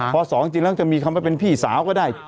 พอสองจริงแล้วจะมีคำว่าเป็นพี่สาวก็ได้